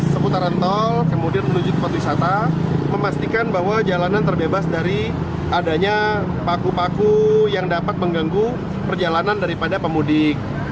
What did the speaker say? seputaran tol kemudian menuju tempat wisata memastikan bahwa jalanan terbebas dari adanya paku paku yang dapat mengganggu perjalanan daripada pemudik